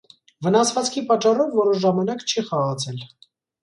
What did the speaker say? Վնասվածքի պատճառով որոշ ժամանակ չի խաղացել։